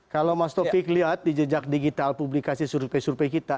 kalau mas taufik lihat di jejak digital publikasi survei survei kita